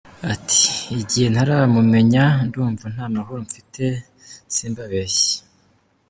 Ati" Igihe ntaramumenya ndumva nta mahoro mfite, simbabeshya".